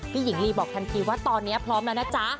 หญิงลีบอกทันทีว่าตอนนี้พร้อมแล้วนะจ๊ะ